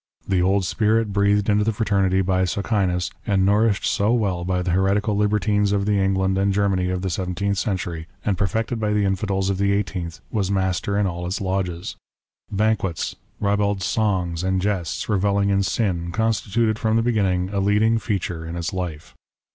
The old spirit breathed into the fraternity by Socinus, and nourished so well by the heretical libertines of the England and Germany of the seventeenth century, and perfected by the Infidels of the eighteenth, was master in all its lodges. Banquets, ribald songs and jests, revelling in sin, constituted from the beginning, a leading feature in its life.